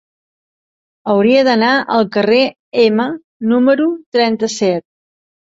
Hauria d'anar al carrer Ema número trenta-set.